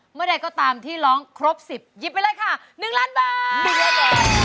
เมื่อใดก็ตามที่ร้องครบ๑๐หยิบไปเลยค่ะ๑ล้านบาท